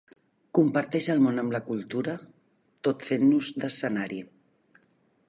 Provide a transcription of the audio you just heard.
Comparteix el món amb la cultura, tot fent-nos d'escenari.